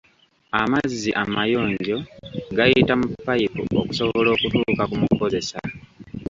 Amazzi amayonjo gayita mu payipu okusobola okutuuka ku mukozesa.